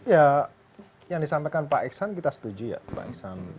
ya yang disampaikan pak iksan kita setuju ya pak iksan